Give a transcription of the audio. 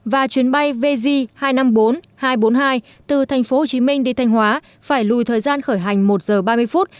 và chuyến bay vz hai trăm năm mươi bốn hai trăm bốn mươi hai từ tp hcm đi thanh hóa phải lùi thời gian khởi hành một giờ ba mươi phút